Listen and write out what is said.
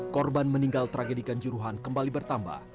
korban meninggal tragedikan juruhan kembali bertambah